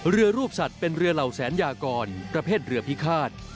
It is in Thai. เรือรูปสัตว์เป็นเรือเหล่าแสนยากรประเภทเรือพิฆาต